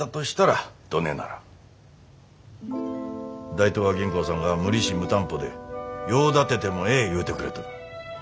大東亜銀行さんが無利子無担保で用立ててもええ言うてくれとる。